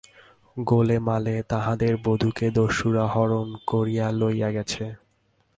গোলেমালে তাহাদের বধূকে দস্যুরা হরণ করিয়া লইয়া গেছে।